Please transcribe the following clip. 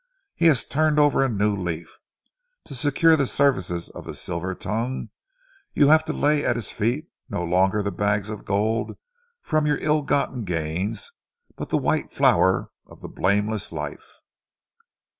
He has turned over a new leaf. To secure the services of his silver tongue, you have to lay at his feet no longer the bags of gold from your ill gotten gains but the white flower of the blameless life."